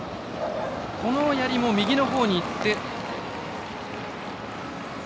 この、やりも右のほうにいって５９ｍ１ｃｍ。